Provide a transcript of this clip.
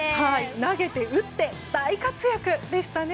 投げて打って大活躍でしたね。